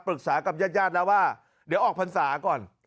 ปรึกษากับญาติย่านแล้วว่าเดี๋ยวออกภัณฑ์ศาสตร์ก่อน